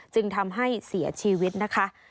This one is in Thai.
จึงทำให้เสียชีวิตนะคะ